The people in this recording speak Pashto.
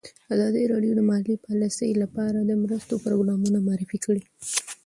ازادي راډیو د مالي پالیسي لپاره د مرستو پروګرامونه معرفي کړي.